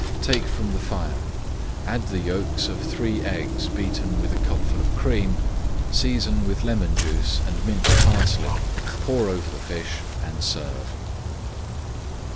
Take from the fire, add the yolks of three eggs beaten with a cupful of cream, season with lemon juice and minced parsley, pour over the fish, and serve.